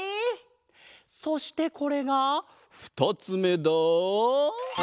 そしてこれがふたつめだ！